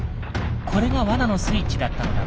これが罠のスイッチだったのだ。